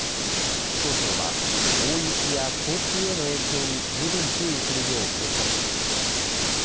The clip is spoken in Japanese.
気象庁は大雪や交通への影響に十分注意するよう呼びかけています。